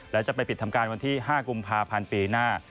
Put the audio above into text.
และจะไปปิดทำการวันที่๕กุมภาพันธ์ปีหน้า